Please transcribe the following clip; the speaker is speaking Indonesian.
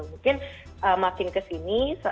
mungkin makin ke sini